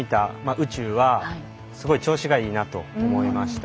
宇宙はすごく調子がいいなと思いました。